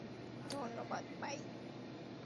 ধন্যবাদ, বাই!